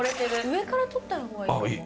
上から撮った方がいいかも。